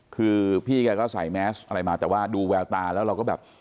คือพี่แกก็ใส่แมสอะไรมาแต่ว่าดูแววตาแล้วเราก็แบบ